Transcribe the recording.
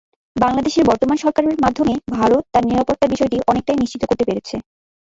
বাংলাদেশের বর্তমান সরকারের মাধ্যমে ভারত তার নিরাপত্তার বিষয়টি অনেকটাই নিশ্চিত করতে পেরেছে।